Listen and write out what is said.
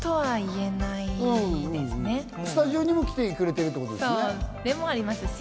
スタジオにも来てくれてるってことですね。